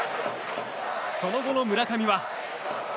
その後の村上は。